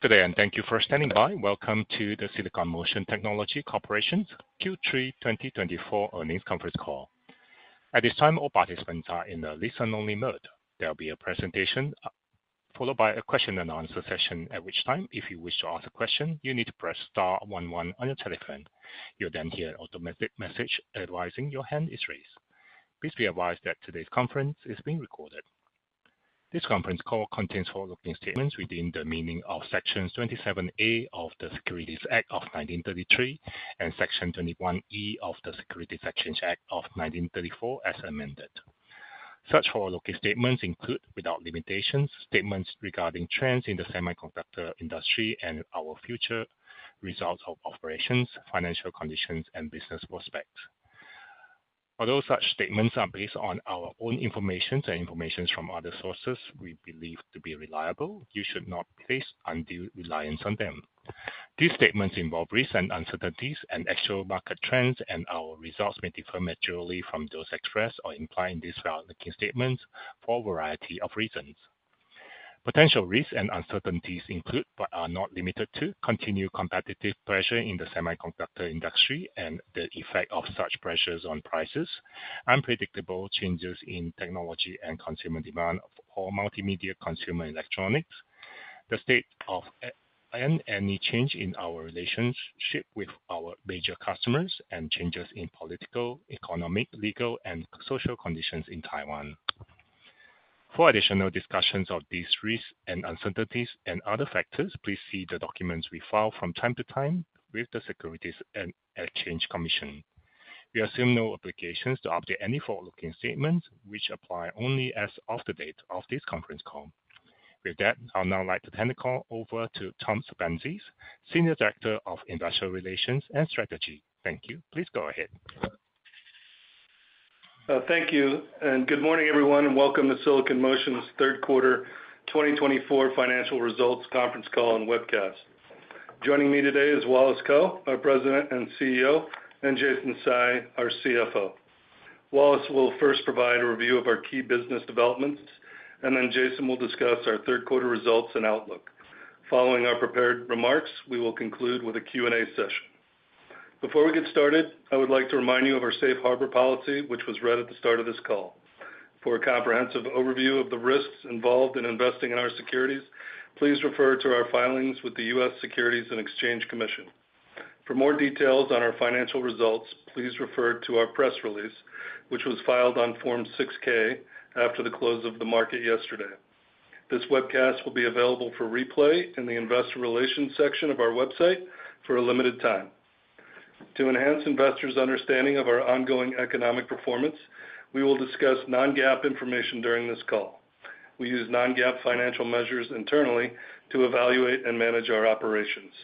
Good day, and thank you for standing by. Welcome to the Silicon Motion Technology Corporation's Q3 2024 earnings conference call. At this time, all participants are in a listen-only mode. There'll be a presentation followed by a question-and-answer session, at which time, if you wish to ask a question, you need to press * 11 on your telephone. You'll then hear an automated message advising your hand is raised. Please be advised that today's conference is being recorded. This conference call contains forward-looking statements within the meaning of sections 27A of the Securities Act of 1933 and section 21E of the Securities Exchange Act of 1934 as amended. Such forward-looking statements include, without limitations, statements regarding trends in the semiconductor industry and our future results of operations, financial conditions, and business prospects. Although such statements are based on our own information and information from other sources we believe to be reliable, you should not place undue reliance on them. These statements involve risks and uncertainties, and actual market trends and our results may differ materially from those expressed or implied in these forward-looking statements for a variety of reasons. Potential risks and uncertainties include, but are not limited to, continued competitive pressure in the semiconductor industry and the effect of such pressures on prices, unpredictable changes in technology and consumer demand for multimedia consumer electronics, the state of, and any change in our relationship with our major customers, and changes in political, economic, legal, and social conditions in Taiwan. For additional discussions of these risks and uncertainties and other factors, please see the documents we file from time to time with the Securities and Exchange Commission. We assume no obligations to update any forward-looking statements, which apply only as of the date of this conference call. With that, I'd now like to turn the call over to Tom Sepenzis, Senior Director of Investor Relations and Strategy. Thank you. Please go ahead. Thank you, and good morning, everyone, and welcome to Silicon Motion's third quarter 2024 financial results conference call and webcast. Joining me today is Wallace Kou, our President and CEO, and Jason Tsai, our CFO. Wallace will first provide a review of our key business developments, and then Jason will discuss our third quarter results and outlook. Following our prepared remarks, we will conclude with a Q&A session. Before we get started, I would like to remind you of our safe harbor policy, which was read at the start of this call. For a comprehensive overview of the risks involved in investing in our securities, please refer to our filings with the U.S. Securities and Exchange Commission. For more details on our financial results, please refer to our press release, which was filed on Form 6-K after the close of the market yesterday. This webcast will be available for replay in the investor relations section of our website for a limited time. To enhance investors' understanding of our ongoing economic performance, we will discuss non-GAAP information during this call. We use non-GAAP financial measures internally to evaluate and manage our operations.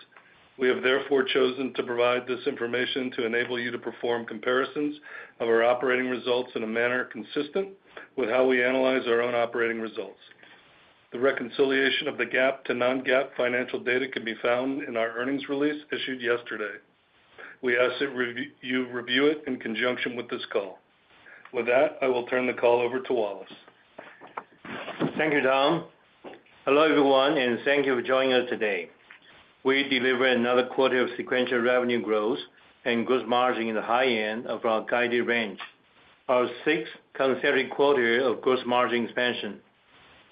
We have therefore chosen to provide this information to enable you to perform comparisons of our operating results in a manner consistent with how we analyze our own operating results. The reconciliation of the GAAP to non-GAAP financial data can be found in our earnings release issued yesterday. We ask that you review it in conjunction with this call. With that, I will turn the call over to Wallace. Thank you, Tom. Hello, everyone, and thank you for joining us today. We delivered another quarter of sequential revenue growth and gross margin in the high end of our guided range, our sixth consecutive quarter of gross margin expansion.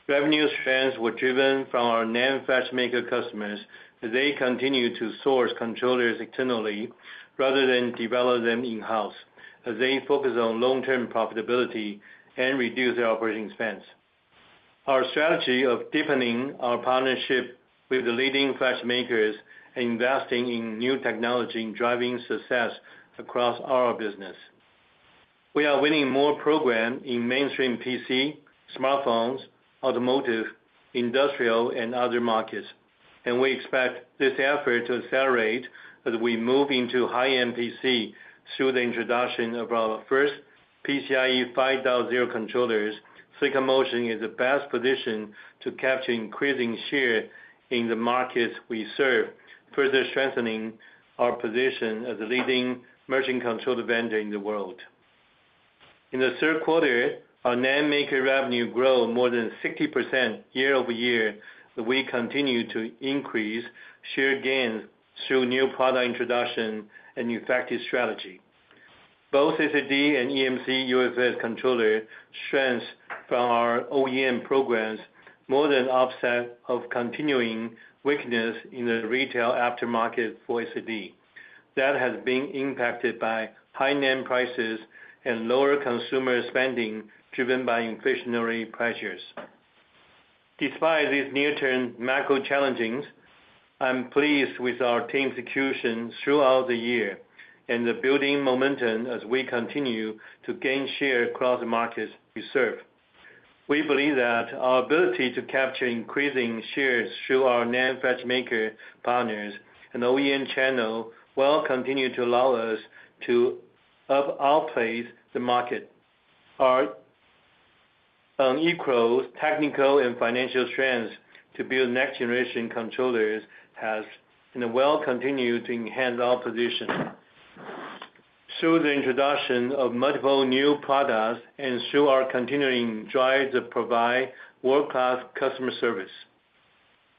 Revenue trends were driven from our NAND factory maker customers as they continue to source controllers externally rather than develop them in-house, as they focus on long-term profitability and reduce their operating expense. Our strategy of deepening our partnership with the leading factory makers and investing in new technology and driving success across our business. We are winning more programs in mainstream PC, smartphones, automotive, industrial, and other markets, and we expect this effort to accelerate as we move into high-end PC. Through the introduction of our first PCIe 5.0 controllers, Silicon Motion is the best position to capture increasing share in the markets we serve, further strengthening our position as a leading merchant control vendor in the world. In the third quarter, our NAND maker revenue grew more than 60% year over year, and we continue to increase share gains through new product introduction and effective strategy. Both SSD and eMMC UFS controllers strengthened in our OEM programs more than offset the continuing weakness in the retail aftermarket for SSD that has been impacted by high NAND prices and lower consumer spending driven by inflationary pressures. Despite these near-term macro challenges, I'm pleased with our team's execution throughout the year and the building momentum as we continue to gain share across the markets we serve. We believe that our ability to capture increasing shares through our NAND flash maker partners and OEM channel will continue to allow us to outpace the market. Our unique technical and financial strengths to build next-generation controllers have and will continue to enhance our position. Through the introduction of multiple new products and through our continuing drive to provide world-class customer service,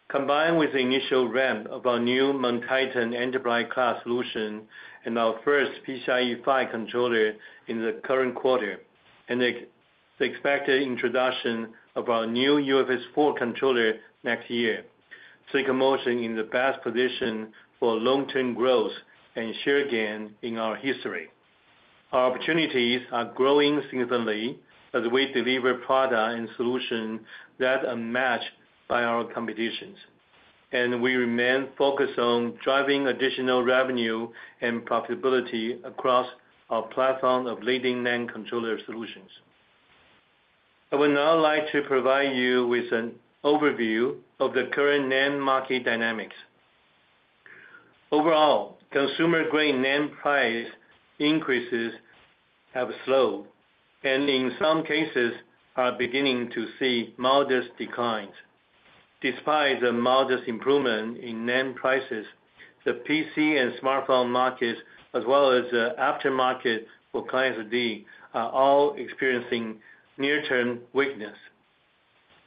combined with the initial ramp of our new MonTitan enterprise-class solution and our first PCIe Gen 5 controller in the current quarter, and the expected introduction of our new UFS 4.0 controller next year, Silicon Motion is in the best position for long-term growth and share gain in our history. Our opportunities are growing significantly as we deliver products and solutions that are matched by our competitors, and we remain focused on driving additional revenue and profitability across our platform of leading NAND controllers solutions. I would now like to provide you with an overview of the current NAND market dynamics. Overall, consumer-grade NAND price increases have slowed, and in some cases, are beginning to see modest declines. Despite the modest improvement in NAND prices, the PC and smartphone markets, as well as the aftermarket for clients of SSD, are all experiencing near-term weakness.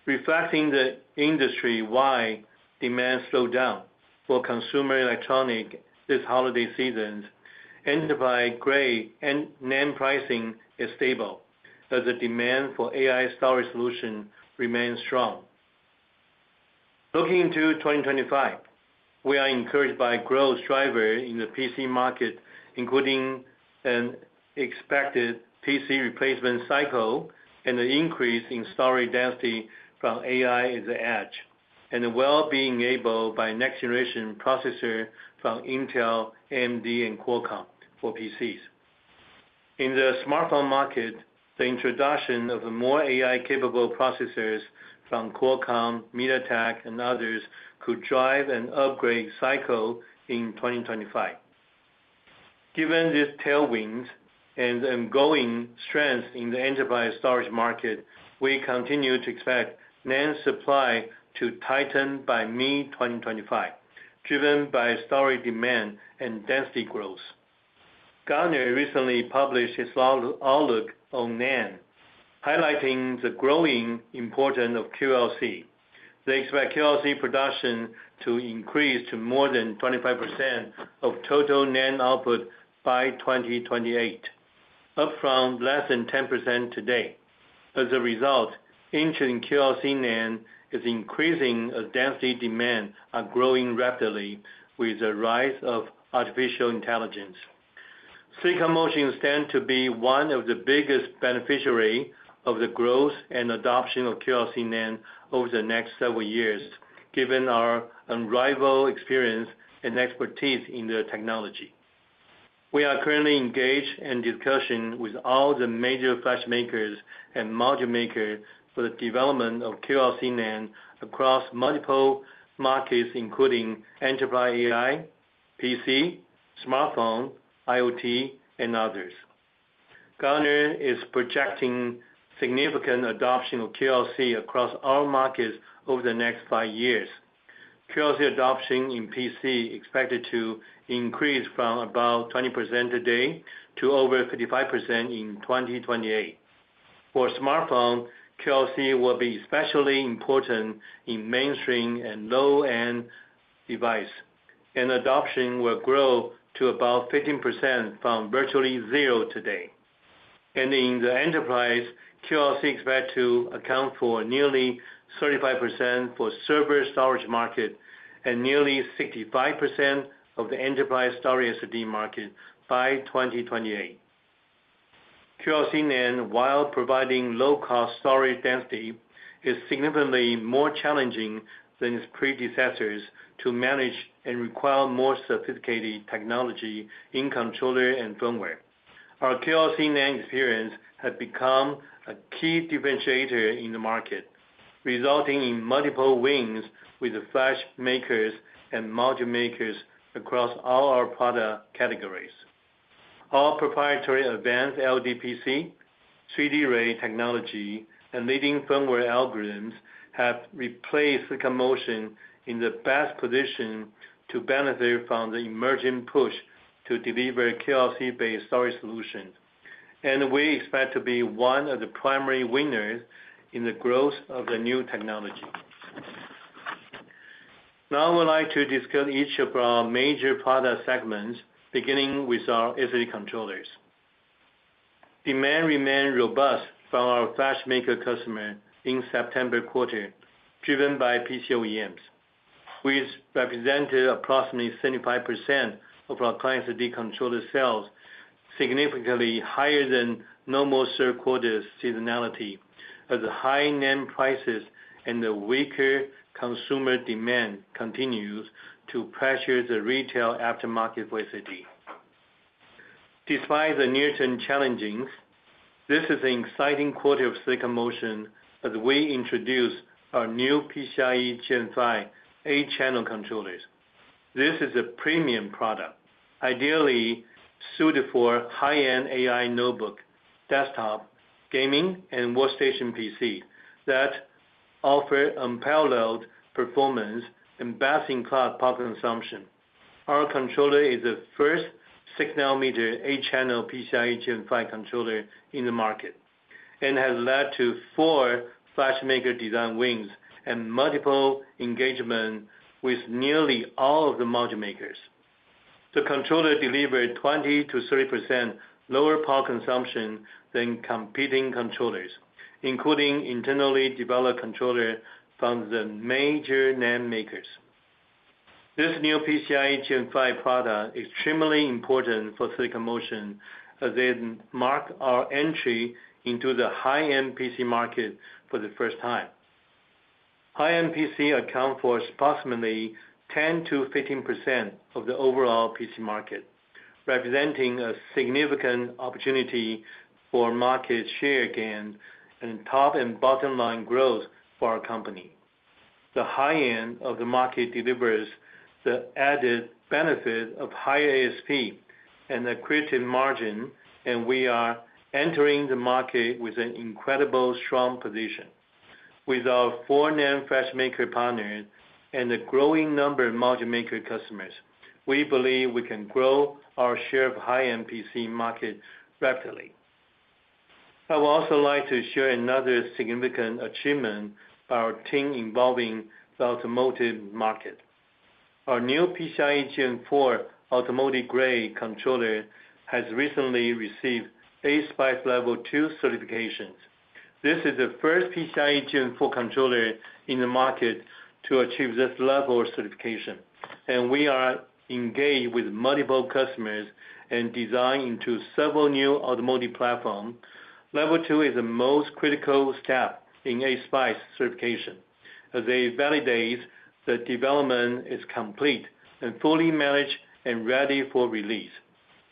Reflecting the industry-wide demand slowdown for consumer electronics this holiday season, enterprise-grade NAND pricing is stable as the demand for AI storage solutions remains strong. Looking to 2025, we are encouraged by growth drivers in the PC market, including an expected PC replacement cycle and an increase in storage density from AI at the edge, and the uncertain enabled by next-generation processors from Intel, AMD, and Qualcomm for PCs. In the smartphone market, the introduction of more AI-capable processors from Qualcomm, MediaTek, and others could drive an upgrade cycle in 2025. Given these tailwinds and ongoing strengths in the enterprise storage market, we continue to expect NAND supply to tighten by mid-2025, driven by storage demand and density growth. Gartner recently published its outlook on NAND, highlighting the growing importance of QLC. They expect QLC production to increase to more than 25% of total NAND output by 2028, up from less than 10% today. As a result, interest in QLC NAND is increasing as density demands are growing rapidly with the rise of artificial intelligence. Silicon Motion stands to be one of the biggest beneficiaries of the growth and adoption of QLC NAND over the next several years, given our unrivaled experience and expertise in the technology. We are currently engaged in discussions with all the major factory makers and module makers for the development of QLC NAND across multiple markets, including enterprise AI, PC, smartphone, IoT, and others. Gartner is projecting significant adoption of QLC across all markets over the next five years. QLC adoption in PC is expected to increase from about 20% today to over 55% in 2028. For smartphone, QLC will be especially important in mainstream and low-end devices, and adoption will grow to about 15% from virtually zero today, and in the enterprise, QLC is expected to account for nearly 35% for server storage market and nearly 65% of the enterprise storage SSD market by 2028. QLC NAND, while providing low-cost storage density, is significantly more challenging than its predecessors to manage and require more sophisticated technology in controllers and firmware. Our QLC NAND experience has become a key differentiator in the market, resulting in multiple wins with the factory makers and module makers across all our product categories. Our proprietary advanced LDPC, 3D NAND technology, and leading firmware algorithms have placed Silicon Motion in the best position to benefit from the emerging push to deliver QLC-based storage solutions, and we expect to be one of the primary winners in the growth of the new technology. Now, I would like to discuss each of our major product segments, beginning with our SSD controllers. Demand remained robust from our flash maker customers in September quarter, driven by PC OEMs, which represented approximately 75% of our clients' SSD controller sales, significantly higher than normal third quarter seasonality as high-end PCs and the weaker consumer demand continued to pressure the retail aftermarket for SSD. Despite the near-term challenges, this is an exciting quarter for Silicon Motion as we introduce our new PCIe Gen 5 8-channel controllers. This is a premium product, ideally suited for high-end AI notebook, desktop, gaming, and workstation PC that offer unparalleled performance and best-in-class power consumption. Our controller is the first 6-nanometer NAND-channel PCIe Gen 5 controller in the market and has led to four NAND maker design wins and multiple engagements with nearly all of the module makers. The controller delivered 20%-30% lower power consumption than competing controllers, including internally developed controllers from the major NAND makers. This new PCIe Gen 5 product is extremely important for Silicon Motion as they mark our entry into the high-end PC market for the first time. High-end PC accounts for approximately 10%-15% of the overall PC market, representing a significant opportunity for market share gain and top and bottom line growth for our company. The high-end of the market delivers the added benefit of higher ASP and accretive margin, and we are entering the market with an incredibly strong position. With our four NAND factory maker partners and the growing number of module maker customers, we believe we can grow our share of high-end PC market rapidly. I would also like to share another significant achievement by our team involving the automotive market. Our new PCIe Gen 4 automotive-grade controller has recently received ASPICE Level 2 certifications. This is the first PCIe Gen 4 controller in the market to achieve this level of certification, and we are engaged with multiple customers and designed into several new automotive platforms. Level 2 is the most critical step in ASPICE certification as they validate the development is complete and fully managed and ready for release.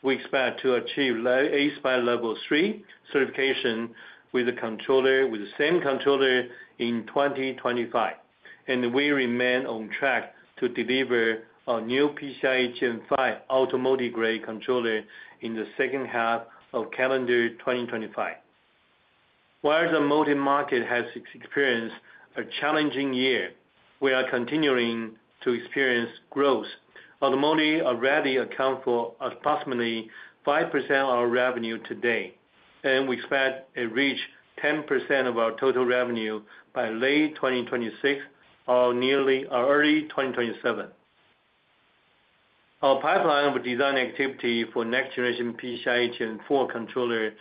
We expect to achieve ASPICE Level 3 certification with the same controller in 2025, and we remain on track to deliver our new PCIe Gen 5 automotive-grade controller in the second half of calendar 2025. While the module market has experienced a challenging year, we are continuing to experience growth. Automotive already accounts for approximately 5% of our revenue today, and we expect to reach 10% of our total revenue by late 2026 or nearly early 2027. Our pipeline of design activity for next-generation PCIe Gen 4 controller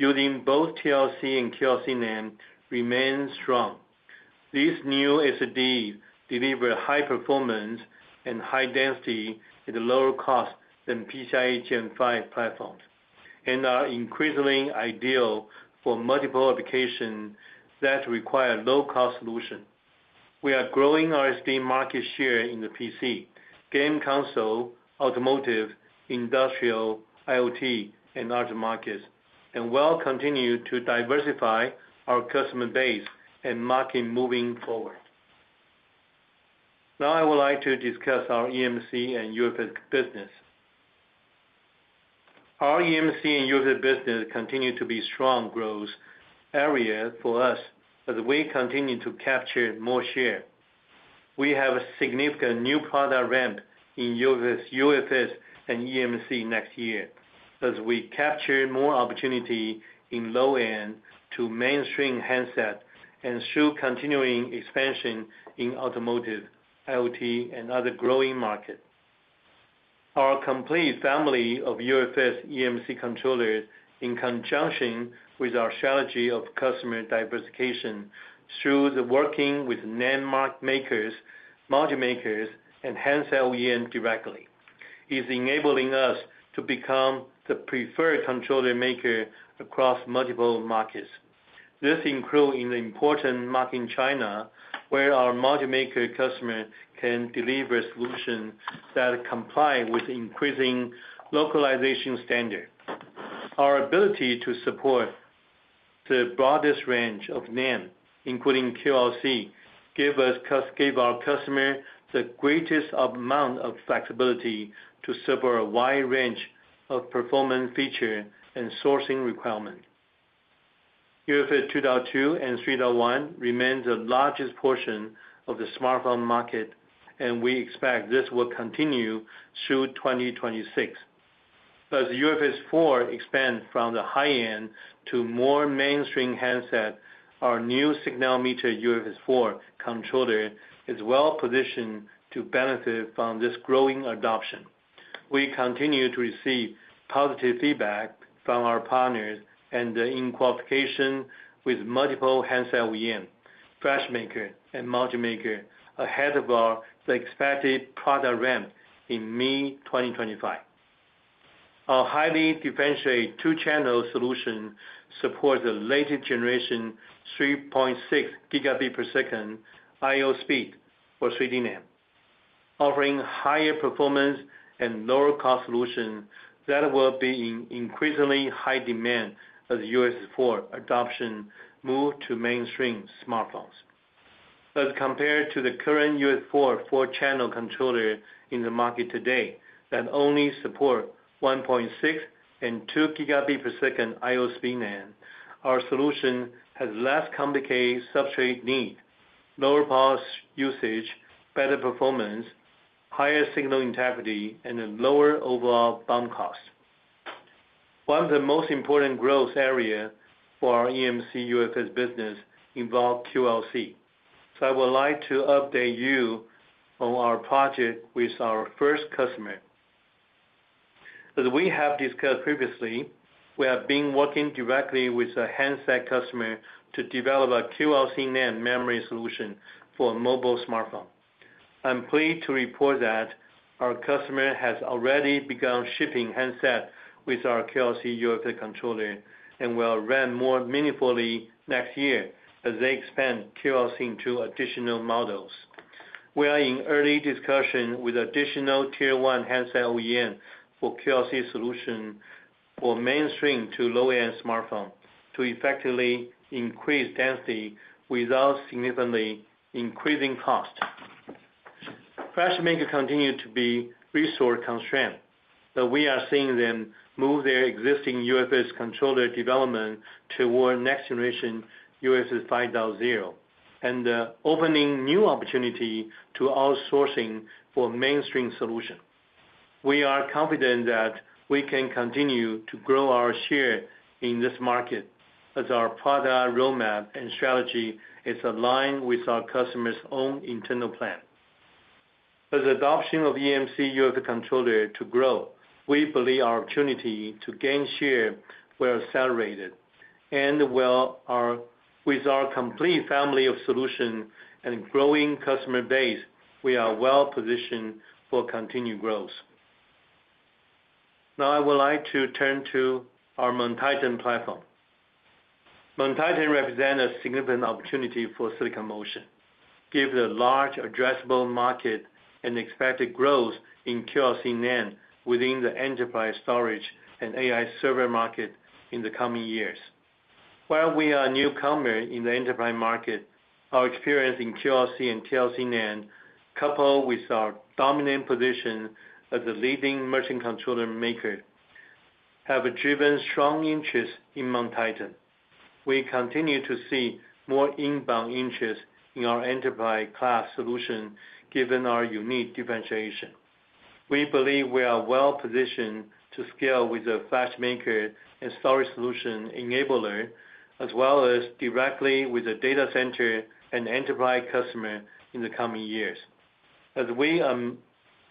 using both TLC and TLC NAND remains strong. These new SSDs deliver high performance and high density at a lower cost than PCIe Gen 5 platforms and are increasingly ideal for multiple applications that require low-cost solutions. We are growing our SSD market share in the PC, game console, automotive, industrial, IoT, and other markets, and will continue to diversify our customer base and market moving forward. Now, I would like to discuss our eMMC and UFS business. Our eMMC and UFS business continue to be strong growth areas for us as we continue to capture more share. We have a significant new product ramp in UFS and eMMC next year as we capture more opportunity in low-end to mainstream handset and through continuing expansion in automotive, IoT, and other growing markets. Our complete family of UFS eMMC controllers, in conjunction with our strategy of customer diversification through the working with NAND makers, module makers, and handset OEMs directly, is enabling us to become the preferred controller maker across multiple markets. This includes an important market in China where our module maker customers can deliver solutions that comply with increasing localization standards. Our ability to support the broadest range of NAND, including QLC, gives our customers the greatest amount of flexibility to serve a wide range of performance features and sourcing requirements. UFS 2.2 and 3.1 remain the largest portion of the smartphone market, and we expect this will continue through 2026. As UFS 4 expands from the high-end to more mainstream handset, our new 6-nanometer UFS 4 controller is well-positioned to benefit from this growing adoption. We continue to receive positive feedback from our partners and the qualification with multiple handset OEMs, factory makers, and module makers ahead of our expected product ramp in mid-2025. Our highly differentiated two-channel solution supports the latest generation 3.6 gigabit per second I/O speed for 3D NAND, offering higher performance and lower-cost solutions that will be in increasingly high demand as UFS 4 adoption moves to mainstream smartphones. As compared to the current UFS 4 four-channel controller in the market today that only supports 1.6 and 2 gigabit per second I/O speed NAND, our solution has less complicated substrate need, lower power usage, better performance, higher signal integrity, and a lower overall bump cost. One of the most important growth areas for our eMMC UFS business involves QLC, so I would like to update you on our project with our first customer. As we have discussed previously, we have been working directly with a handset customer to develop a QLC NAND memory solution for a mobile smartphone. I'm pleased to report that our customer has already begun shipping handsets with our QLC UFS controller and will ramp more meaningfully next year as they expand QLC into additional models. We are in early discussions with additional tier-one handset OEMs for QLC solutions for mainstream to low-end smartphones to effectively increase density without significantly increasing cost. Fab makers continue to be resource constrained, but we are seeing them move their existing UFS controller development toward next-generation UFS 5.0 and opening new opportunities to outsourcing for mainstream solutions. We are confident that we can continue to grow our share in this market as our product roadmap and strategy are aligned with our customers' own internal plan. As adoption of eMMC UFS controller grows, we believe our opportunity to gain share will accelerate, and with our complete family of solutions and growing customer base, we are well-positioned for continued growth. Now, I would like to turn to our MonTitan platform. MonTitan represents a significant opportunity for Silicon Motion, given the large addressable market and expected growth in QLC NAND within the enterprise storage and AI server market in the coming years. While we are a newcomer in the enterprise market, our experience in QLC and TLC NAND, coupled with our dominant position as a leading merchant controller maker, have driven strong interest in MonTitan. We continue to see more inbound interest in our enterprise-class solutions, given our unique differentiation. We believe we are well-positioned to scale with a fab maker and storage solution enabler, as well as directly with a data center and enterprise customer in the coming years. As we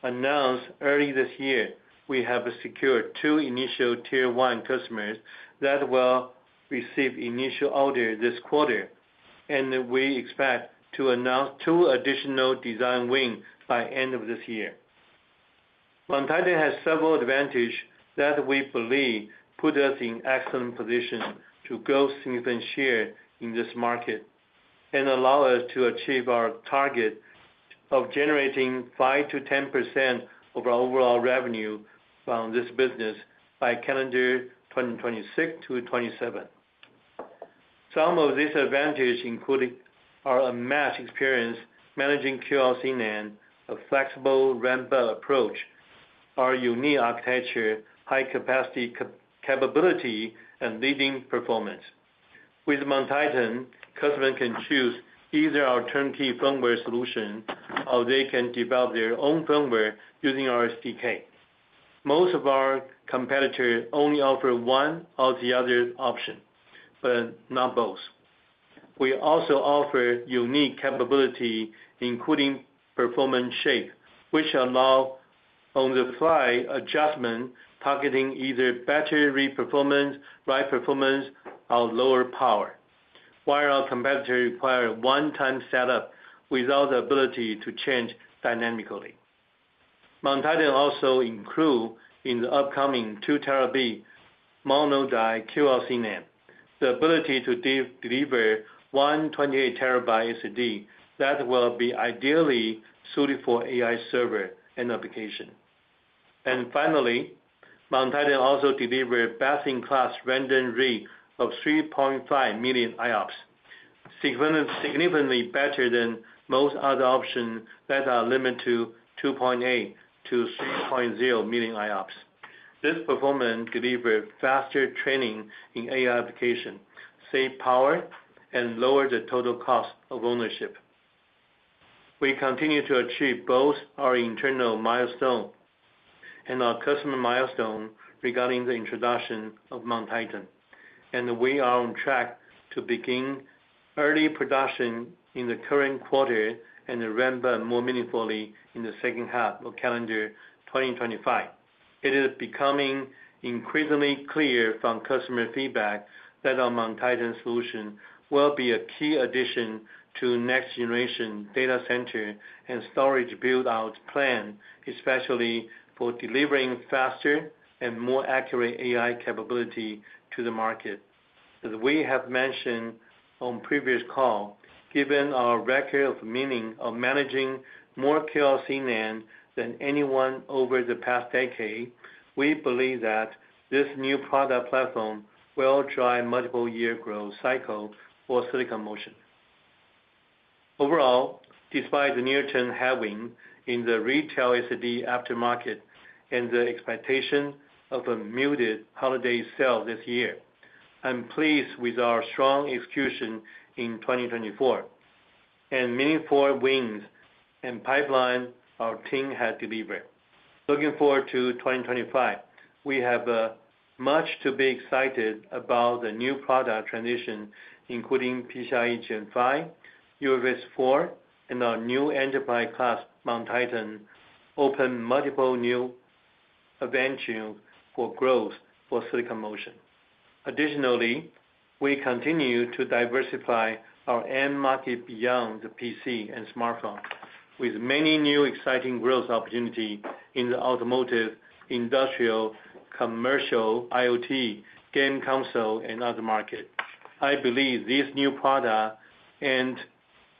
announced early this year, we have secured two initial tier-one customers that will receive initial orders this quarter, and we expect to announce two additional design wins by the end of this year. MonTitan has several advantages that we believe put us in an excellent position to grow significant share in this market and allow us to achieve our target of generating 5%-10% of our overall revenue from this business by calendar 2026 to 2027. Some of these advantages include our unmatched experience managing QLC NAND, a flexible ramp-up approach, our unique architecture, high-capacity capability, and leading performance. With MonTitan, customers can choose either our turnkey firmware solution or they can develop their own firmware using our SDK. Most of our competitors only offer one or the other option, but not both. We also offer unique capability, including PerformaShape, which allows on-the-fly adjustment targeting either battery performance, write performance, or lower power, while our competitors require one-time setup without the ability to change dynamically. MonTitan also includes, in the upcoming 2 TB mono-die QLC NAND, the ability to deliver one 28 TB SSD that will be ideally suited for AI server and application. Finally, MonTitan also delivers best-in-class random read of 3.5 million IOPS, significantly better than most other options that are limited to 2.8-3.0 million IOPS. This performance delivers faster training in AI applications, saves power, and lowers the total cost of ownership. We continue to achieve both our internal milestone and our customer milestone regarding the introduction of MonTitan, and we are on track to begin early production in the current quarter and ramp up more meaningfully in the second half of calendar 2025. It is becoming increasingly clear from customer feedback that our MonTitan solution will be a key addition to next-generation data center and storage build-out plan, especially for delivering faster and more accurate AI capability to the market. As we have mentioned on previous calls, given our record of many years of managing more QLC NAND than anyone over the past decade, we believe that this new product platform will drive multiple-year growth cycles for Silicon Motion. Overall, despite the near-term headwinds in the retail SSD aftermarket and the expectation of a muted holiday sales this year, I'm pleased with our strong execution in 2024 and meaningful wins and pipeline our team has delivered. Looking forward to 2025, we have much to be excited about the new product transition, including PCIe Gen 5, UFS 4, and our new enterprise-class MonTitan opening multiple new avenues for growth for Silicon Motion. Additionally, we continue to diversify our end market beyond the PC and smartphones with many new exciting growth opportunities in the automotive, industrial, commercial, IoT, game console, and other markets. I believe these new products and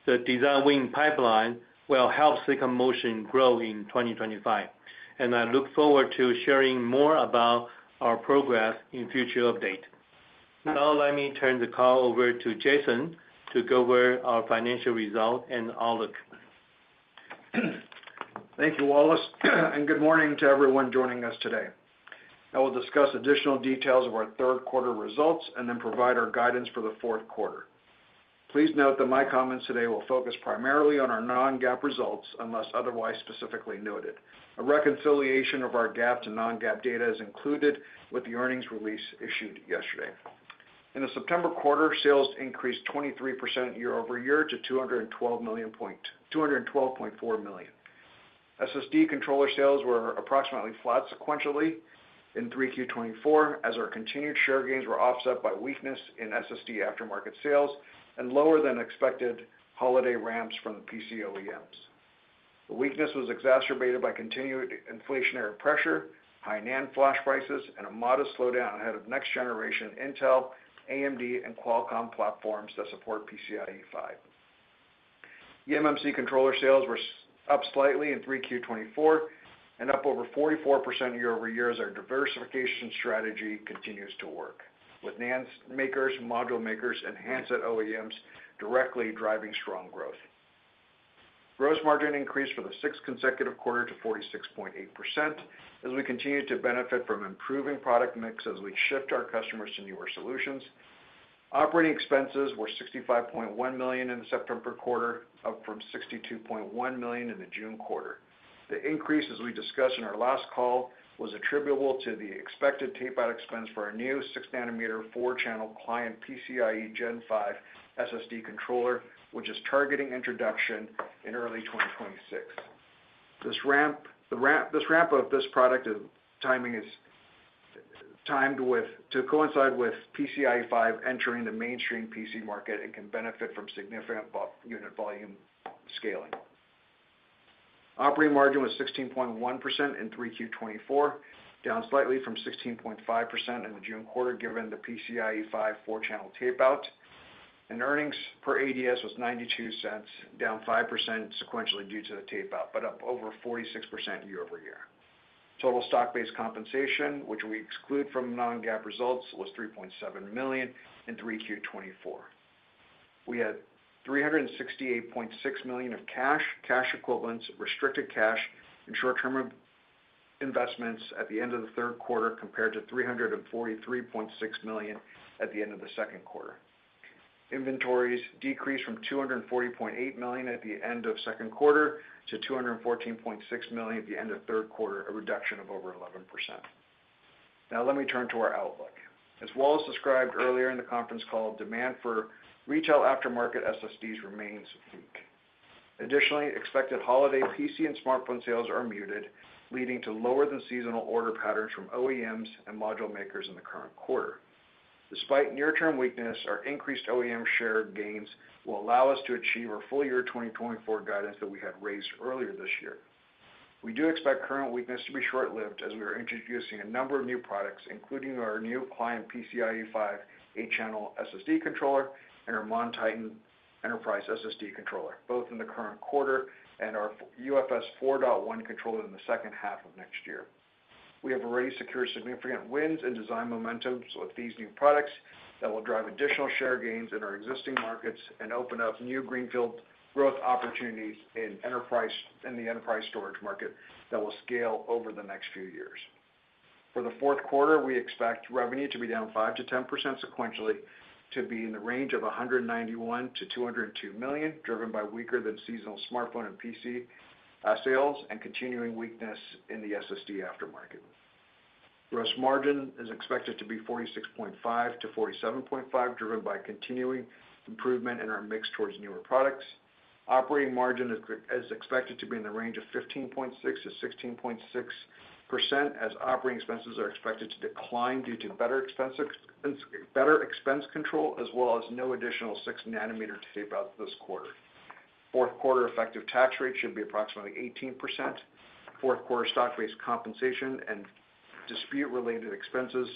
the design win pipeline will help Silicon Motion grow in 2025, and I look forward to sharing more about our progress in future updates. Now, let me turn the call over to Jason to go over our financial results and outlook. Thank you, Wallace, and good morning to everyone joining us today. I will discuss additional details of our third quarter results and then provide our guidance for the fourth quarter. Please note that my comments today will focus primarily on our non-GAAP results unless otherwise specifically noted. A reconciliation of our GAAP to non-GAAP data is included with the earnings release issued yesterday. In the September quarter, sales increased 23% year over year to $212.4 million. SSD controller sales were approximately flat sequentially in 3Q24, as our continued share gains were offset by weakness in SSD aftermarket sales and lower-than-expected holiday ramps from the PC OEMs. The weakness was exacerbated by continued inflationary pressure, high NAND flash prices, and a modest slowdown ahead of next-generation Intel, AMD, and Qualcomm platforms that support PCIe 5. eMMC controller sales were up slightly in 3Q24 and up over 44% year over year as our diversification strategy continues to work, with NAND makers, module makers, and handset OEMs directly driving strong growth. Gross margin increased for the sixth consecutive quarter to 46.8% as we continue to benefit from improving product mix as we shift our customers to newer solutions. Operating expenses were $65.1 million in the September quarter, up from $62.1 million in the June quarter. The increase, as we discussed in our last call, was attributable to the expected tape-out expense for our new 6-nanometer four-channel client PCIe Gen 5 SSD controller, which is targeting introduction in early 2026. This ramp of this product timing is timed to coincide with PCIe 5 entering the mainstream PC market and can benefit from significant unit volume scaling. Operating margin was 16.1% in 3Q24, down slightly from 16.5% in the June quarter given the PCIe 5 four-channel tape-out, and earnings per ADS was $0.92, down 5% sequentially due to the tape-out, but up over 46% year over year. Total stock-based compensation, which we exclude from non-GAAP results, was $3.7 million in 3Q24. We had $368.6 million of cash, cash equivalents, restricted cash, and short-term investments at the end of the third quarter compared to $343.6 million at the end of the second quarter. Inventories decreased from 240.8 million at the end of second quarter to 214.6 million at the end of third quarter, a reduction of over 11%. Now, let me turn to our outlook. As Wallace described earlier in the conference call, demand for retail aftermarket SSDs remains weak. Additionally, expected holiday PC and smartphone sales are muted, leading to lower-than-seasonal order patterns from OEMs and module makers in the current quarter. Despite near-term weakness, our increased OEM share gains will allow us to achieve our full year 2024 guidance that we had raised earlier this year. We do expect current weakness to be short-lived as we are introducing a number of new products, including our new client PCIe 5 eight-channel SSD controller and our MonTitan enterprise SSD controller, both in the current quarter and our UFS 4.1 controller in the second half of next year. We have already secured significant wins and design momentum with these new products that will drive additional share gains in our existing markets and open up new greenfield growth opportunities in the enterprise storage market that will scale over the next few years. For the fourth quarter, we expect revenue to be down 5%-10% sequentially to be in the range of $191 million-$202 million, driven by weaker-than-seasonal smartphone and PC sales and continuing weakness in the SSD aftermarket. Gross margin is expected to be 46.5%-47.5%, driven by continuing improvement in our mix towards newer products. Operating margin is expected to be in the range of 15.6%-16.6%, as operating expenses are expected to decline due to better expense control as well as no additional 6-nanometer tape out this quarter. Fourth quarter effective tax rate should be approximately 18%. Fourth quarter stock-based compensation and dispute-related expenses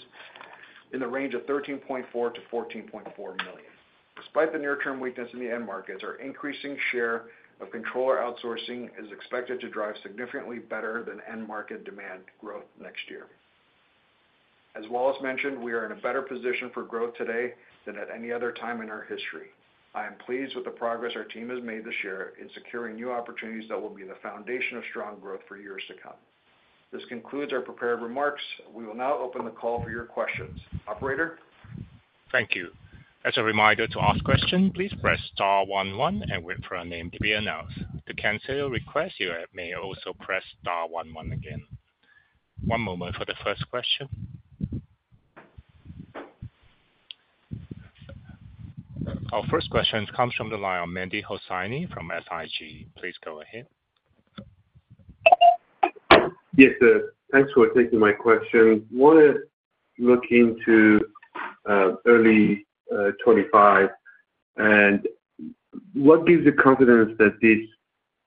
in the range of $13.4 million-$14.4 million. Despite the near-term weakness in the end markets, our increasing share of controller outsourcing is expected to drive significantly better than end-market demand growth next year. As Wallace mentioned, we are in a better position for growth today than at any other time in our history. I am pleased with the progress our team has made this year in securing new opportunities that will be the foundation of strong growth for years to come. This concludes our prepared remarks. We will now open the call for your questions. Operator. Thank you. As a reminder to ask questions, please press * 11 and wait for a name to be announced. To cancel your request, you may also press * 11 again. One moment for the first question. Our first question comes from the line of Mehdi Hosseini from SIG. Please go ahead. Yes, sir. Thanks for taking my question. I want to look into early 2025, and what gives you confidence that this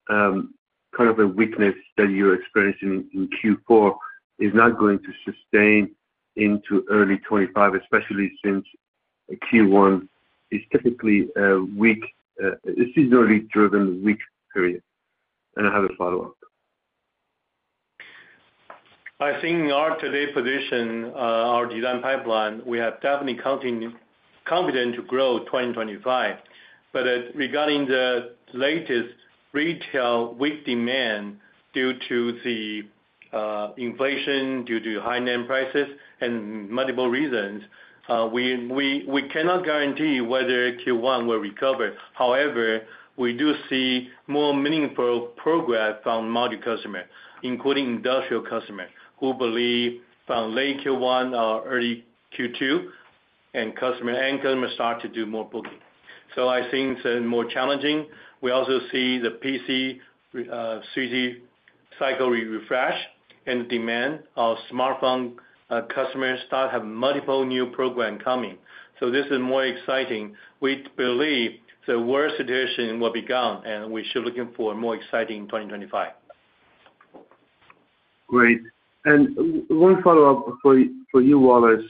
kind of a weakness that you're experiencing in Q4 is not going to sustain into early 2025, especially since Q1 is typically a seasonally driven weak period? And I have a follow-up. I think our today position, our design pipeline, we have definitely confident to grow 2025. But regarding the latest retail weak demand due to the inflation, due to high-end prices, and multiple reasons, we cannot guarantee whether Q1 will recover. However, we do see more meaningful progress from multi-customers, including industrial customers, who believe from late Q1 or early Q2, and customers start to do more booking. So I think it's more challenging. We also see the PC SSD cycle refresh and demand of smartphone customers start having multiple new programs coming. So this is more exciting. We believe the worst situation will be gone, and we should look for more exciting 2025. Great. And one follow-up for you, Wallace.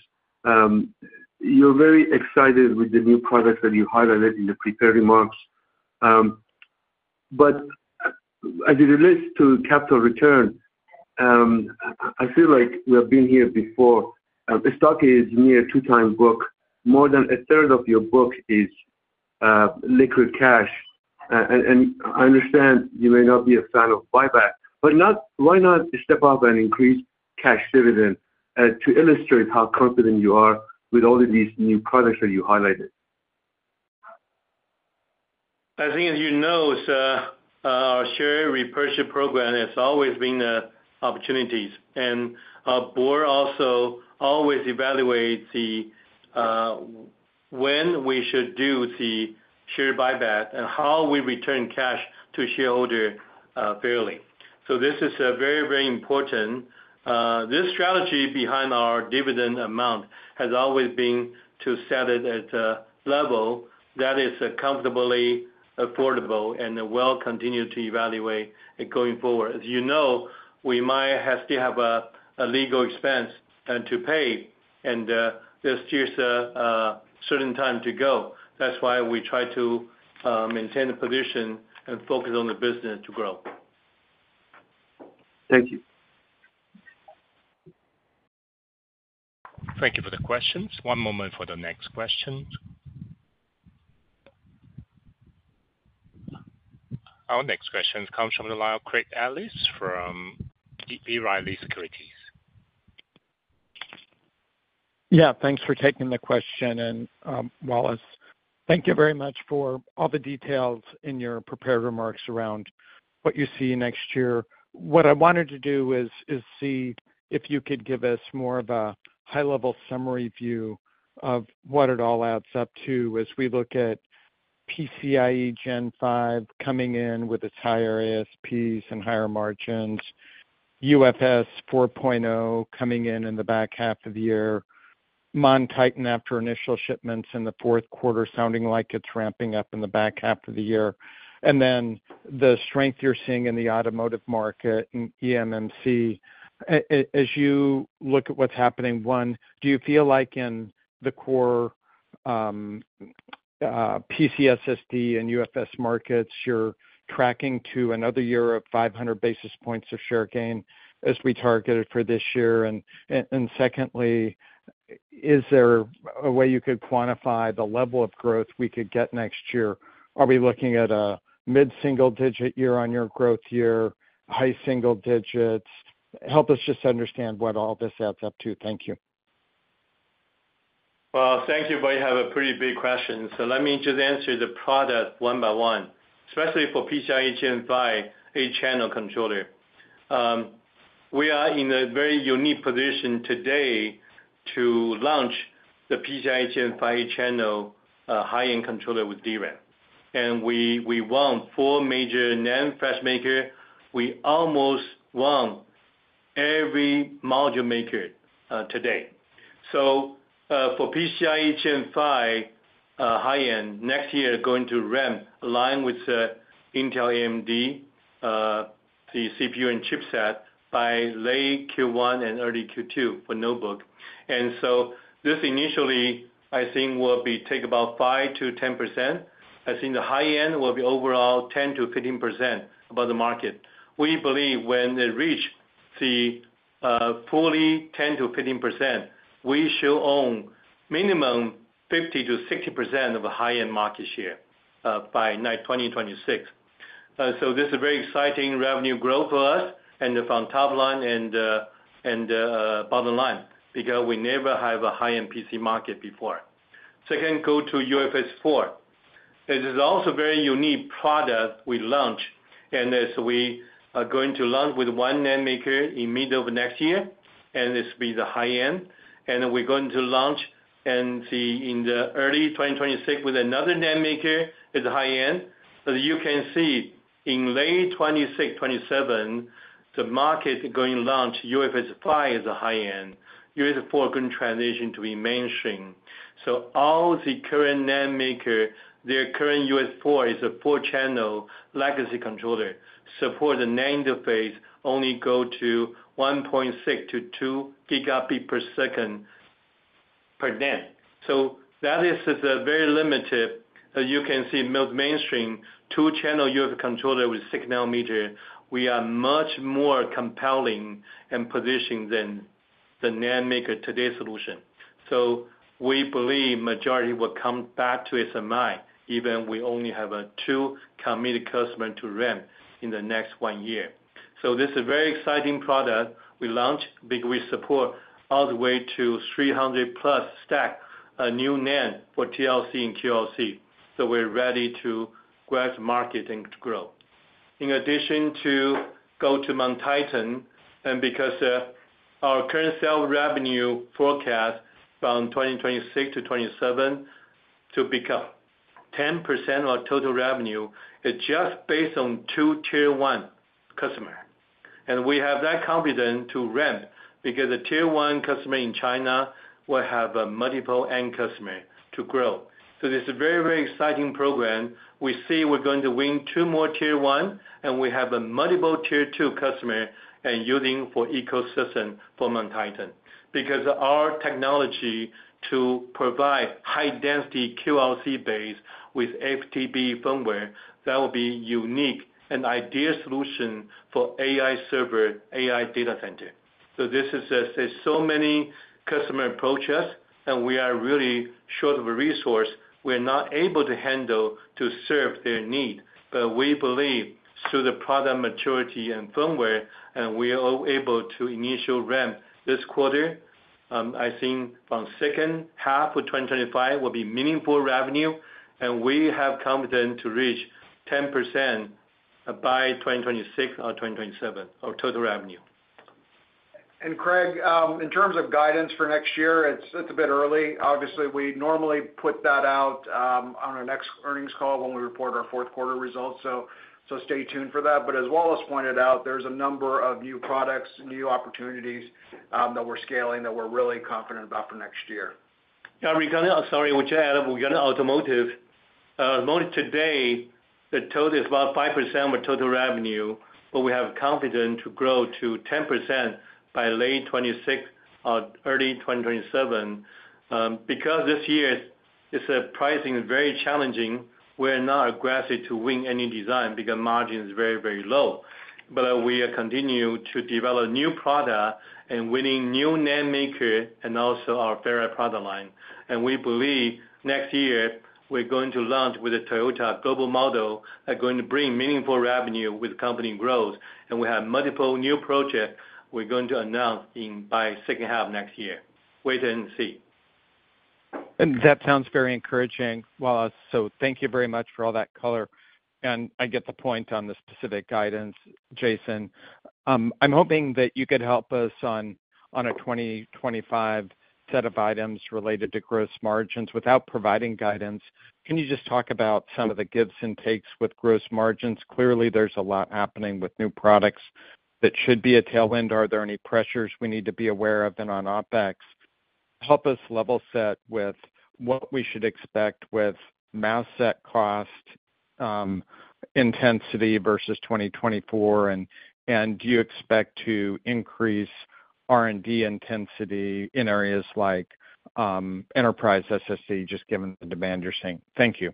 You're very excited with the new products that you highlighted in the prepared remarks. But as it relates to capital return, I feel like we have been here before. The stock is near two times book. More than a third of your book is liquid cash. And I understand you may not be a fan of buyback, but why not step up and increase cash dividend to illustrate how confident you are with all of these new products that you highlighted? I think, as you know, sir, our share repurchase program has always been the opportunities. And our board also always evaluates when we should do the share buyback and how we return cash to shareholders fairly. So this is very, very important. This strategy behind our dividend amount has always been to set it at a level that is comfortably affordable and will continue to evaluate going forward. As you know, we might still have a legal expense to pay, and there's still a certain time to go. That's why we try to maintain the position and focus on the business to grow. Thank you. Thank you for the questions. One moment for the next question. Our next question comes from the line of Craig Ellis from B. Riley Securities. Yeah, thanks for taking the question. And Wallace, thank you very much for all the details in your prepared remarks around what you see next year. What I wanted to do is see if you could give us more of a high-level summary view of what it all adds up to as we look at PCIe Gen 5 coming in with its higher ASPs and higher margins, UFS 4.0 coming in in the back half of the year, MonTitan after initial shipments in the fourth quarter sounding like it's ramping up in the back half of the year, and then the strength you're seeing in the automotive market and eMMC. As you look at what's happening, one, do you feel like in the core PC SSD and UFS markets you're tracking to another year of 500 basis points of share gain as we target it for this year? And secondly, is there a way you could quantify the level of growth we could get next year? Are we looking at a mid-single-digit year-on-year growth, high single digits? Help us just understand what all this adds up to. Thank you. Thank you, but you have a pretty big question. Let me just answer the product one by one, especially for PCIe Gen 5 eight-channel controller. We are in a very unique position today to launch the PCIe Gen 5 eight-channel high-end controller with DRAM. We won four major NAND flash makers. We almost won every module maker today. For PCIe Gen 5 high-end, next year is going to ramp along with Intel, AMD, the CPU and chipset by late Q1 and early Q2 for notebook. This initially, I think, will take about 5% to 10%. I think the high-end will be overall 10% to 15% above the market. We believe when they reach the fully 10%-15%, we should own minimum 50%-60% of the high-end market share by 2026. This is a very exciting revenue growth for us and from top line and bottom line because we never have a high-end PC market before. Second, go to UFS 4. This is also a very unique product we launched. We are going to launch with one NAND maker in the middle of next year, and this will be the high-end. We're going to launch and see in the early 2026 with another NAND maker as a high-end. You can see in late 2026, 2027, the market is going to launch UFS 5 as a high-end. UFS 4 is going to transition to be mainstream. All the current NAND makers, their current UFS 4 is a four-channel legacy controller supported in the main interface, only go to 1.6 to 2 gigabits per second per lane. That is very limited. As you can see, most mainstream two-channel UFS controller with six nanometers, we are much more compelling and positioned than the NAND maker today's solution. We believe the majority will come back to SMI, even if we only have two committed customers to ramp in the next one year. This is a very exciting product we launched because we support all the way to 300-plus stack, a new NAND for TLC and QLC. We're ready to grab the market and grow. In addition to go to MonTitan and because our current sales revenue forecast from 2026 to 2027 to become 10% of our total revenue is just based on two tier-one customers. And we have that confidence to ramp because the tier-one customer in China will have multiple end customers to grow. So this is a very, very exciting program. We see we're going to win two more tier-one, and we have multiple tier-2 customers and using for ecosystem for MonTitan because our technology to provide high-density QLC base with FDP firmware, that will be a unique and ideal solution for AI server, AI data center. So this is so many customers approach us, and we are really short of resources. We are not able to handle to serve their need, but we believe through the product maturity and firmware, and we are able to initial ramp this quarter. I think from second half of 2025 will be meaningful revenue, and we have confidence to reach 10% by 2026 or 2027 of total revenue. Craig, in terms of guidance for next year, it's a bit early. Obviously, we normally put that out on our next earnings call when we report our fourth quarter results. So stay tuned for that. But as Wallace pointed out, there's a number of new products, new opportunities that we're scaling that we're really confident about for next year. Yeah, sorry, I want to add, we're going to automotive. Automotive today, the total is about 5% of our total revenue, but we have confidence to grow to 10% by late 2026 or early 2027. Because this year's pricing is very challenging, we're not aggressive to win any design because margin is very, very low. But we continue to develop new products and winning new NAND maker and also our Ferri product line. We believe next year we're going to launch with the Toyota global model that's going to bring meaningful revenue with company growth. We have multiple new projects we're going to announce by second half next year. Wait and see. That sounds very encouraging, Wallace. Thank you very much for all that color. I get the point on the specific guidance, Jason. I'm hoping that you could help us on a 2025 set of items related to gross margins without providing guidance. Can you just talk about some of the gives and takes with gross margins? Clearly, there's a lot happening with new products that should be a tailwind. Are there any pressures we need to be aware of on OpEx? Help us level set with what we should expect with NAND set cost intensity versus 2024. Do you expect to increase R&D intensity in areas like enterprise SSD, just given the demand you're seeing? Thank you.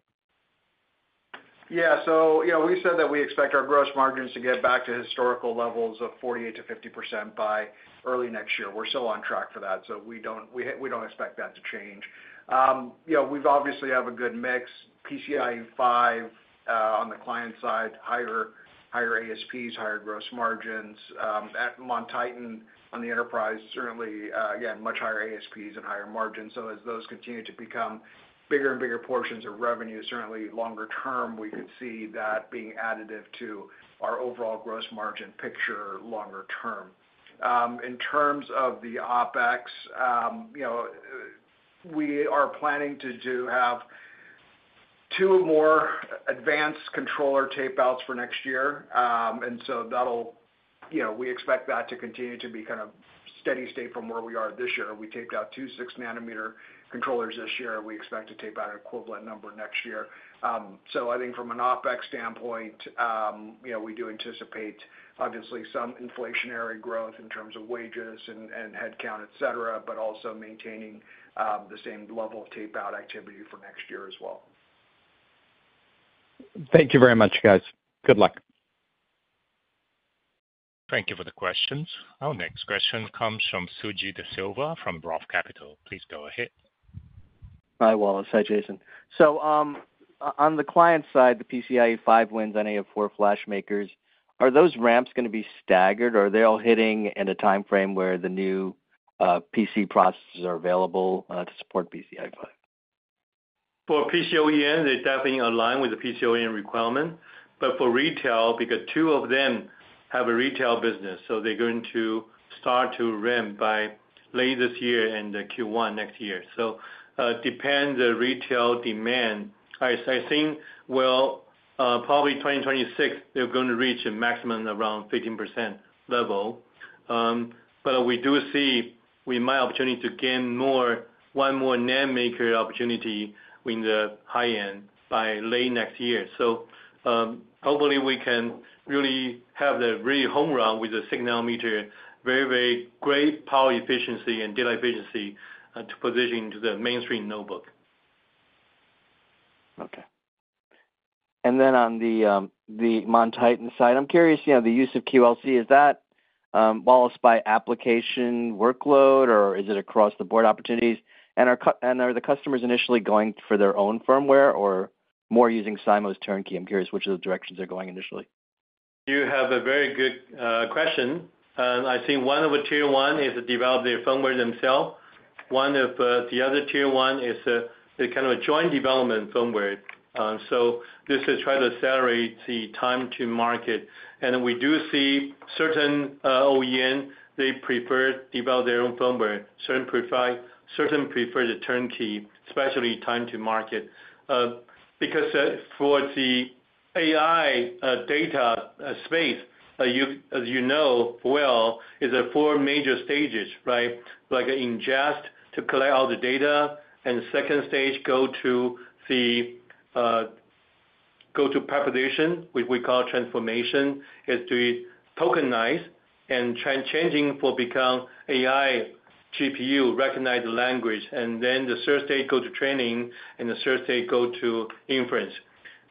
Yeah. So we said that we expect our gross margins to get back to historical levels of 48%-50% by early next year. We're still on track for that, so we don't expect that to change. We obviously have a good mix. PCIe 5 on the client side, higher ASPs, higher gross margins. At MonTitan, on the enterprise, certainly, again, much higher ASPs and higher margins. So as those continue to become bigger and bigger portions of revenue, certainly longer term, we could see that being additive to our overall gross margin picture longer term. In terms of the OpEx, we are planning to have two more advanced controller tape-outs for next year. And so we expect that to continue to be kind of steady state from where we are this year. We taped out two six-nanometer controllers this year. We expect to tape out an equivalent number next year. So I think from an OpEx standpoint, we do anticipate, obviously, some inflationary growth in terms of wages and headcount, etc., but also maintaining the same level of tape-out activity for next year as well. Thank you very much, guys. Good luck. Thank you for the questions. Our next question comes from Suji Desilva from Roth Capital. Please go ahead. Hi, Wallace. Hi, Jason. So on the client side, the PCIe 5 wins on AF4 flash makers. Are those ramps going to be staggered, or are they all hitting in a timeframe where the new PC processors are available to support PCIe 5? For PC OEM, they're definitely aligned with the PC OEM requirement. But for retail, because two of them have a retail business, so they're going to start to ramp by late this year and Q1 next year. So it depends on the retail demand. I think, well, probably 2026, they're going to reach a maximum around 15% level. But we do see we might have an opportunity to gain one more NAND-maker opportunity in the high-end by late next year. So hopefully, we can really have the real home run with the six-nanometer very, very great power efficiency and data efficiency to position to the mainstream notebook. Okay. And then on the MonTitan side, I'm curious, the use of QLC, is that, Wallace, by application workload, or is it across the board opportunities? And are the customers initially going for their own firmware or more using SIMO's turnkey? I'm curious which of the directions they're going initially. You have a very good question. I think one of the tier-one is to develop their firmware themselves. One of the other tier-one is kind of a joint development firmware. So this is trying to accelerate the time to market. And we do see certain OEMs, they prefer to develop their own firmware. Certain prefer the turnkey, especially time to market. Because for the AI data space, as you know well, it's four major stages, right? Like ingest to collect all the data, and second stage, go to preprocessing, which we call transformation, is to tokenize and try changing for become AI GPU recognized language. And then the third stage, go to training, and the third stage, go to inference.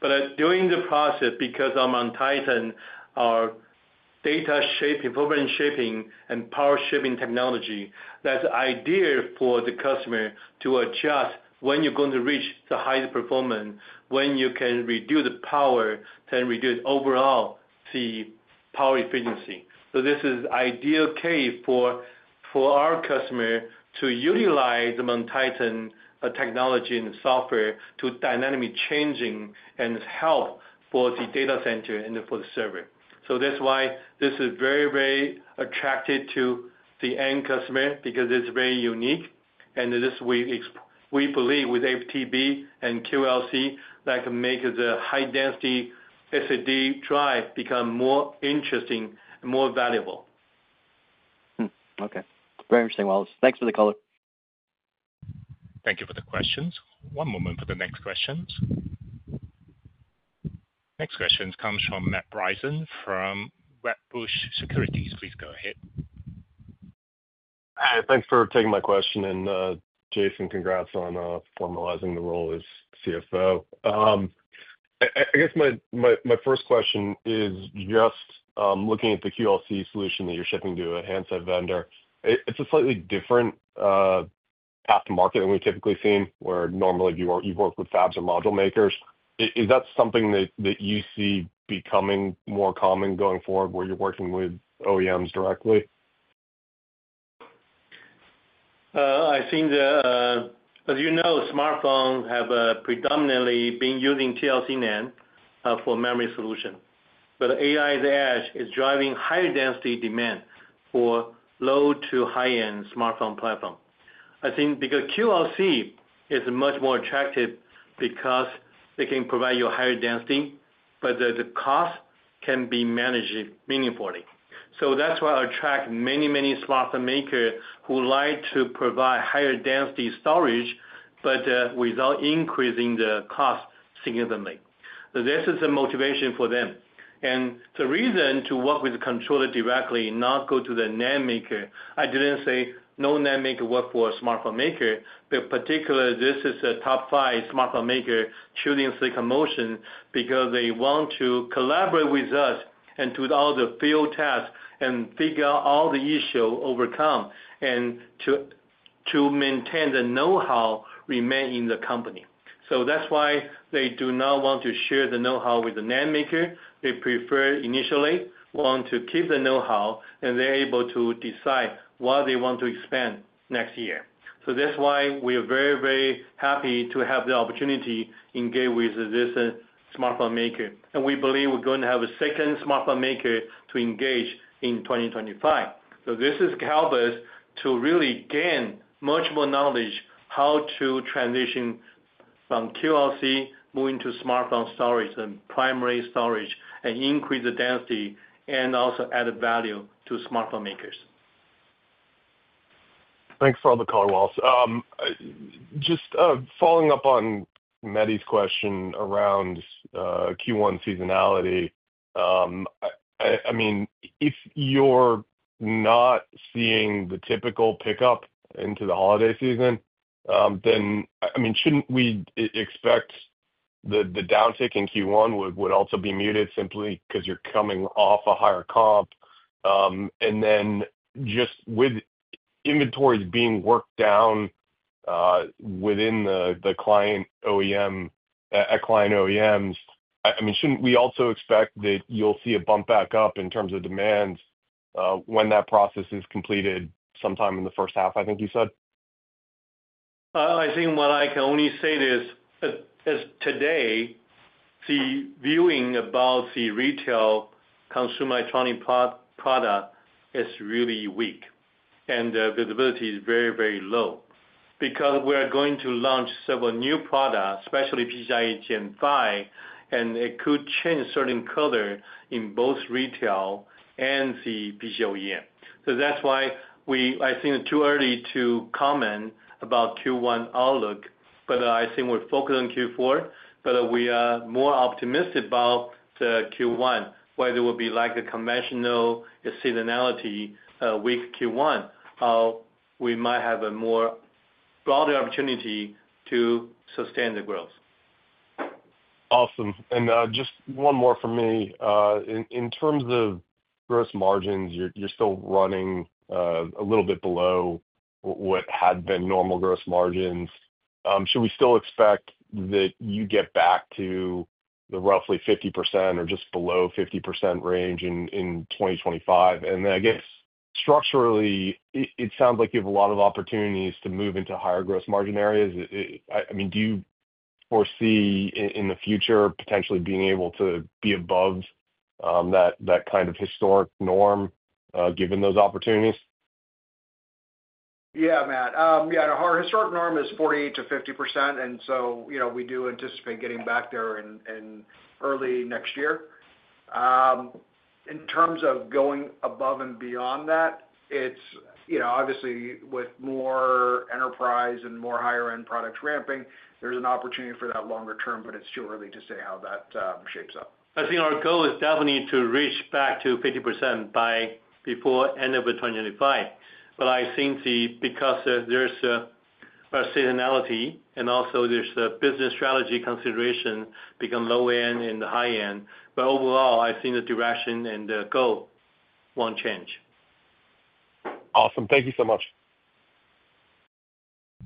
But during the process, because on MonTitan, our data performance shaping and power shaping technology, that's ideal for the customer to adjust when you're going to reach the highest performance, when you can reduce the power, then reduce overall the power efficiency. So this is an ideal case for our customer to utilize the MonTitan technology and software to dynamically change and help for the data center and for the server. So that's why this is very, very attractive to the end customer because it's very unique. And we believe with TLC and QLC, that can make the high-density SSD drive become more interesting and more valuable. Okay. Very interesting, Wallace. Thanks for the color. Thank you for the questions. One moment for the next questions. Next question comes from Matt Bryson from Wedbush Securities. Please go ahead. Hi. Thanks for taking my question. And Jason, congrats on formalizing the role as CFO. I guess my first question is just looking at the QLC solution that you're shipping to a handset vendor. It's a slightly different path to market than we've typically seen, where normally you've worked with fabs and module makers. Is that something that you see becoming more common going forward where you're working with OEMs directly? I think, as you know, smartphones have predominantly been using TLC NAND for memory solutions. But AI's edge is driving higher density demand for low to high-end smartphone platforms. I think because QLC is much more attractive because it can provide you higher density, but the cost can be managed meaningfully. So that's why I attract many, many smartphone makers who like to provide higher density storage, but without increasing the cost significantly. This is a motivation for them. And the reason to work with the controller directly, not go to the NAND maker. I didn't say no NAND maker work for a smartphone maker, but particularly this is a top five smartphone maker choosing Silicon Motion because they want to collaborate with us and do all the field tests and figure out all the issues, overcome, and to maintain the know-how remain in the company. So that's why they do not want to share the know-how with the NAND maker. They prefer initially want to keep the know-how, and they're able to decide what they want to expand next year. So that's why we are very, very happy to have the opportunity to engage with this smartphone maker. And we believe we're going to have a second smartphone maker to engage in 2025. So this is to help us to really gain much more knowledge how to transition from QLC moving to smartphone storage and primary storage and increase the density and also added value to smartphone makers. Thanks for all the color, Wallace. Just following up on Mehdi's question around Q1 seasonality, I mean, if you're not seeing the typical pickup into the holiday season, then I mean, shouldn't we expect the downtick in Q1 would also be muted simply because you're coming off a higher comp? And then just with inventories being worked down within the client OEM, at client OEMs, I mean, shouldn't we also expect that you'll see a bump back up in terms of demand when that process is completed sometime in the first half, I think you said? I think what I can only say is today, the viewing about the retail consumer electronic product is really weak, and visibility is very, very low because we are going to launch several new products, especially PCIe Gen 5, and it could change certain color in both retail and the OEM. So that's why I think it's too early to comment about Q1 outlook, but I think we're focused on Q4. But we are more optimistic about the Q1, whether it will be like a conventional seasonality, weak Q1, or we might have a more broader opportunity to sustain the growth. Awesome. And just one more from me. In terms of gross margins, you're still running a little bit below what had been normal gross margins. Should we still expect that you get back to the roughly 50% or just below 50% range in 2025? And then I guess structurally, it sounds like you have a lot of opportunities to move into higher gross margin areas. I mean, do you foresee in the future potentially being able to be above that kind of historic norm given those opportunities? Yeah, Matt. Yeah, our historic norm is 48%-50%. And so we do anticipate getting back there in early next year. In terms of going above and beyond that, obviously, with more enterprise and more higher-end products ramping, there's an opportunity for that longer term, but it's too early to say how that shapes up. I think our goal is definitely to reach back to 50% by before end of 2025. But I think because there's a seasonality and also there's a business strategy consideration becoming low-end and high-end, but overall, I think the direction and the goal won't change. Awesome. Thank you so much.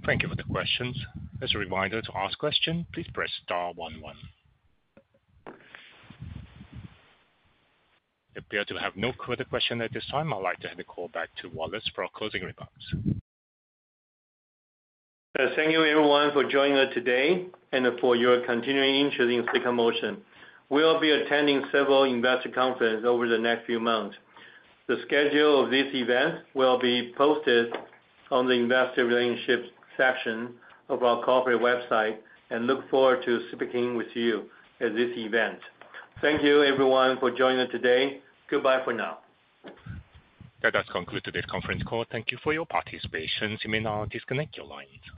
Thank you for the questions. As a reminder, to ask a question, please press * 11. If you have no further questions at this time, I'd like to hand the call back to Wallace for closing remarks. Thank you, everyone, for joining us today and for your continuing interest in Silicon Motion. We'll be attending several investor conferences over the next few months. The schedule of this event will be posted on the investor relationships section of our corporate website, and look forward to speaking with you at this event. Thank you, everyone, for joining us today. Goodbye for now. That does conclude today's conference call. Thank you for your participation. You may now disconnect your lines.